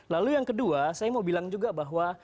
lalu yang kedua saya mau bilang juga bahwa